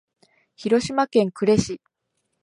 広島県呉市